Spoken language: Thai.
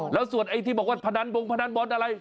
แล้วส่วนไอ้ที่บอกว่าพนันบงพนันบอลอะไร